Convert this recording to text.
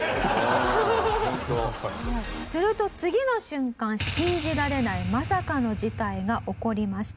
すると次の瞬間信じられないまさかの事態が起こりました。